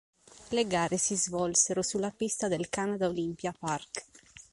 Le gare si svolsero sulla pista del "Canada Olympia Parc".